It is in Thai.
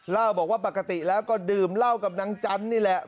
เล่าบอกว่าปกติแล้วก็ดื่มเหล้ากับนางจันทร์นี่แหละ